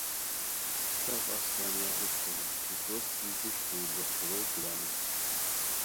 سف اسقانیہ ہوݰ کونی کی فروسکی گوݯتو لوٹھورو کولانو